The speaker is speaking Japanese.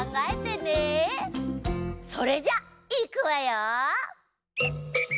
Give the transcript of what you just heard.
それじゃいくわよ。